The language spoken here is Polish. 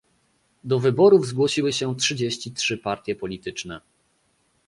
Do wyborów zgłosiły się trzydzieści trzy partie polityczne